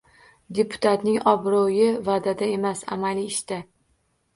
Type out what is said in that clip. Deputatning obro‘yi va’dada emas, amaliy ishida